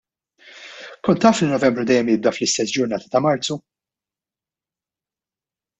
Kont taf li Novembru dejjem jibda fl-istess ġurnata ta' Marzu?